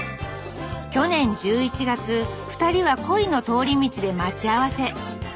去年１１月２人は鯉の通り道で待ち合わせ。